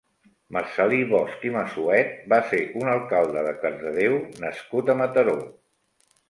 Marcel·lí Bosch i Massuet va ser un alcalde de Cardedeu nascut a Mataró.